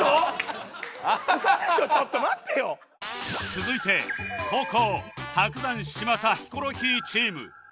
続いて後攻伯山嶋佐ヒコロヒーチーム